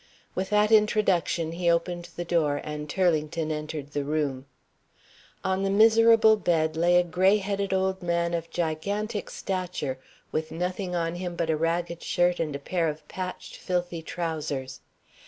With that introduction he opened the door, and Turlington entered the room. On the miserable bed lay a gray headed old man of gigantic stature, with nothing on him but a ragged shirt and a pair of patched, filthy trousers.